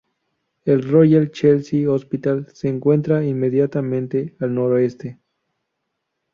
El Royal Chelsea Hospital se encuentra inmediatamente al noroeste.